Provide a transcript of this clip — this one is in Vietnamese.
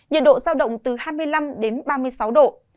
nhiệt độ giao động từ hai mươi năm đến ba mươi sáu độ